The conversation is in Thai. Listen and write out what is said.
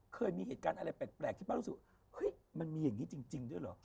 เคยมีเหตุการณ์อะไรแปลกที่ป้ารู้สึกว่าเฮ้ยมันมีอย่างนี้จริงด้วยเหรอ